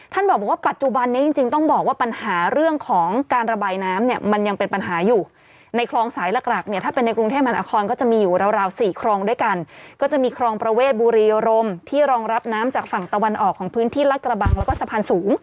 บอกว่าปัจจุบันนี้จริงจริงต้องบอกว่าปัญหาเรื่องของการระบายน้ำเนี่ยมันยังเป็นปัญหาอยู่ในคลองสายหลักหลักเนี่ยถ้าเป็นในกรุงเทพมหานครก็จะมีอยู่ราวราวสี่คลองด้วยกันก็จะมีคลองประเวทบุรีรมที่รองรับน้ำจากฝั่งตะวันออกของพื้นที่รัฐกระบังแล้วก็สะพานสูง